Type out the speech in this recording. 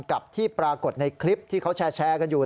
กับที่ปรากฏในคลิปที่เขาแชร์กันอยู่